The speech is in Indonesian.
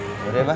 udah ya mbak